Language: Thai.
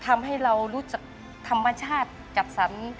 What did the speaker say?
ทำให้เรารู้จักธรรมชาติจัดสรร